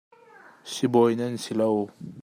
Sibawi nan si lo.